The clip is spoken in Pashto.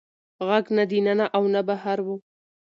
غږ نه د ننه و او نه بهر و.